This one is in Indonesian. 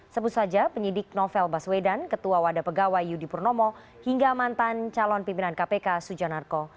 sebut saja penyidik novel baswedan ketua wadah pegawai yudi purnomo hingga mantan calon pimpinan kpk sujanarko